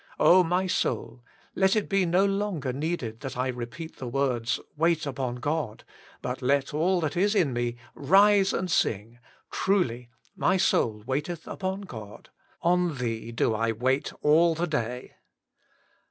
Oh, my soul! let it be no longer needed that I repeat the words, * Wait upon God,* but let all that is in me rise and sing :* Truly my soul waiteth upon God. On Thee do I wait all the day.